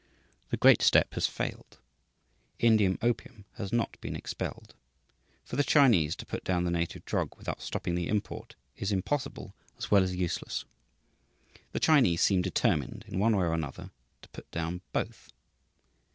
The great step has failed. Indian opium has not been expelled. For the Chinese to put down the native drug without stopping the import is impossible as well as useless. The Chinese seem determined, in one way or another, to put down both.